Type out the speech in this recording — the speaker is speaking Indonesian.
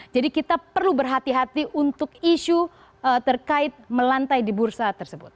jadi kita perlu berhati hati untuk isu terkait melantai di bursa tersebut